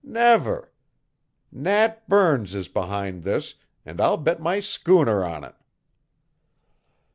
Never! Nat Burns is behind this, and I'll bet my schooner on it!"